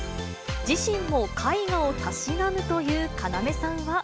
自身も絵画をたしなむという要さんは。